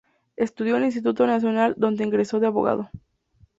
Estudió en el Instituto Nacional donde egresó de abogado.